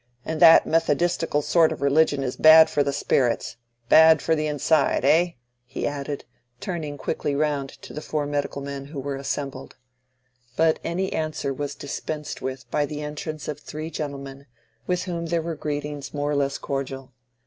And that methodistical sort of religion is bad for the spirits—bad for the inside, eh?" he added, turning quickly round to the four medical men who were assembled. But any answer was dispensed with by the entrance of three gentlemen, with whom there were greetings more or less cordial.